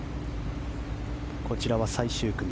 こちらは最終組。